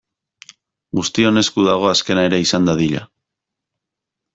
Guztion esku dago azkena ere izan dadila.